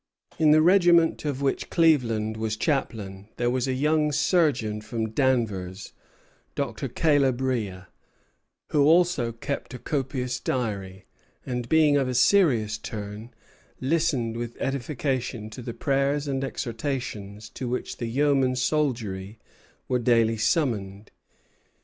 In the regiment of which Cleaveland was chaplain there was a young surgeon from Danvers, Dr. Caleb Rea, who also kept a copious diary, and, being of a serious turn, listened with edification to the prayers and exhortations to which the yeoman soldiery were daily summoned.